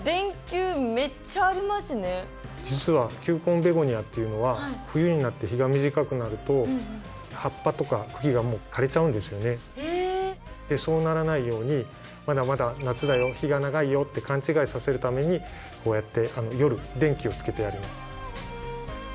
実は球根ベゴニアっていうのはそうならないようにまだまだ夏だよ日が長いよって勘違いさせるためにこうやって夜電気をつけてやります。